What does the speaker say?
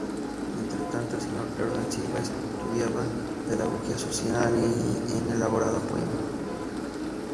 Entre tanto el señor Hernán Silva estudiaba pedagogía social, y en elaboraba poemas.